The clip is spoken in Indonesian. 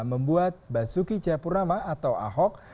membuat basuki cahayapurnama atau ahok